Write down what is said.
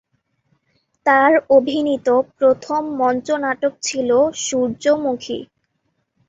তার অভিনীত প্রথম মঞ্চ নাটক ছিল ‘সূর্যমুখী’।